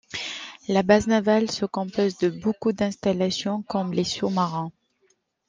La base navale se compose de beaucoup d'installations comme les sous-marins.